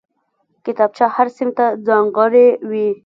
کتابچه هر صنف ته ځانګړې وي